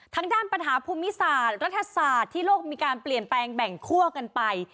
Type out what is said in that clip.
ทางด้านปัญหาภูมิศาสตร์รัฐศาสตร์ที่โลกมีการเปลี่ยนแปลงแบ่งคั่วกันไป